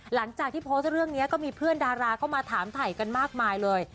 หลังจากที่โพสต์เรื่องนี้ก็มีเพื่อนดาราเข้ามาถามถ่ายกันมากมายเลย